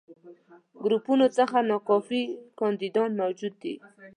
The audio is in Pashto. ګروپونو څخه ناکافي کانديدان موجود وي.